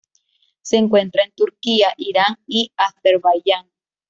Se encuentra en Turquía, Irán y en Azerbaiyán.